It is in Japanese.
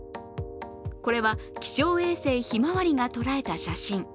これは、気象衛星「ひまわり」が捉えた写真。